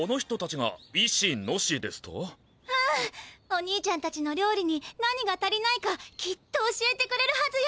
お兄ちゃんたちの料理に何が足りないかきっと教えてくれるはずよ。